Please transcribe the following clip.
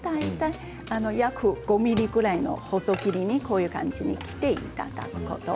約５ｍｍくらいの細切りにこういう感じに切っていただくこと。